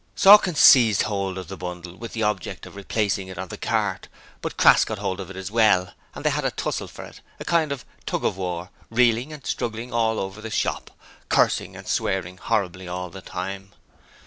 Sawkins seized hold of the bundle with the object of replacing it on the cart, but Crass got hold of it as well and they had a tussle for it a kind of tug of war reeling and struggling all over the shop. cursing and swearing horribly all the time.